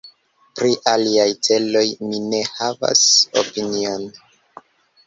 Pri aliaj celoj mi ne havas opinion.